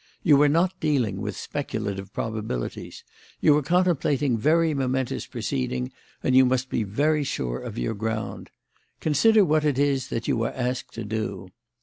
You are not dealing with speculative probabilities. You are contemplating a very momentous proceeding, and you must be very sure of your ground. Consider what it is that you are asked to do.